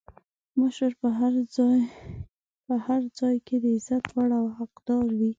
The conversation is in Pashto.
مشر په هر ځای کې د عزت وړ او حقدار وي.